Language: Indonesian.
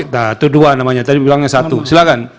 itu dua namanya tadi bilangnya satu silakan